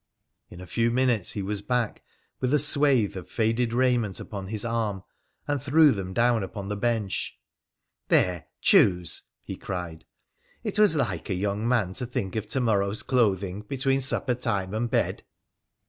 In a few minutes he was back, with a swayth of faded raiment upon his arm, and threw them down upon the bench. 'There, choose!' he cried. 'It was like a young man, to think of to morrow's clothing, between supper time and bed.'